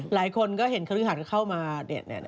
หลายคนก็เห็นคลิกหันเข้ามานี่